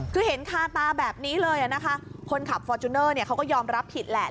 คือเห็นคาตาแบบนี้เลยนะคะคนขับฟอร์จูเนอร์เขาก็ยอมรับผิดแหละ